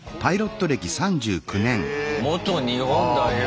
元日本代表⁉